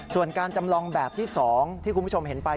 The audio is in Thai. ส่วนการจำลองแบบที่๒ที่คุณผู้ชมเห็นไป